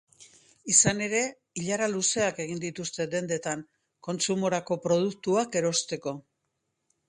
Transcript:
Izan ere, ilara luzeak egin dituzte dendetan kontsumorako produktoak erosteko.